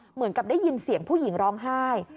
เหมือนกับได้ยินเสียงผู้หญิงร้องไห้